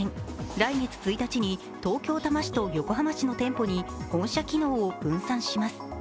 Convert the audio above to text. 来月１日に東京・多摩市と横浜市の店舗に本社機能を分散します。